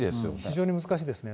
非常に難しいですね。